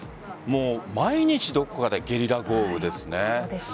毎日どこかでゲリラ豪雨ですね。